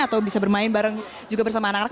atau bisa bermain bareng juga bersama anak anak